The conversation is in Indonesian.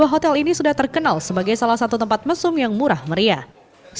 hotel ini sudah terkenal sebagai salah satu tempat mesum yang murah meriah